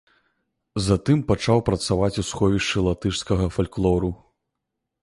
Затым пачаў працаваць у сховішчы латышскага фальклору.